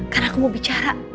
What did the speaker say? karena aku mau bicara